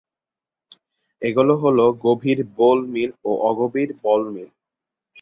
এগুলো হলো- গভীর বোল মিল ও অগভীর বোল মিল।